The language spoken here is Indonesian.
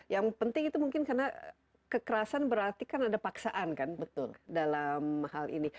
yang penting itu mungkin karena kekerasan berarti kan ada paksaan kan dalam hal ini